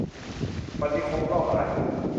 วันนี้ครบรอบอะไร